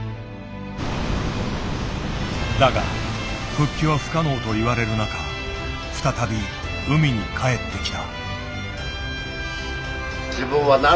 だが復帰は不可能といわれる中再び海に帰ってきた。